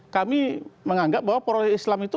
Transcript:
kami menganggap bahwa poros islam itu